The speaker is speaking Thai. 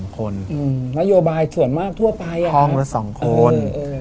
๒คนอืมนโยบายส่วนมากทั่วไปอ่ะห้องละ๒คน